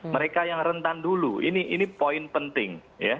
mereka yang rentan dulu ini poin penting